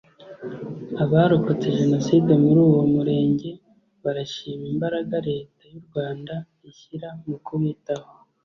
Abarokotse Jenoside muri uwo murenge barashima imbaraga leta y’u Rwanda ishyira mu kubitaho